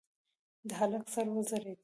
د هلک سر وځړېد.